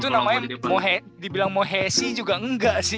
itu namanya mau he dibilang mau he si juga enggak sih